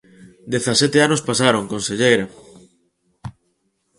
¡Dezasete anos pasaron, conselleira!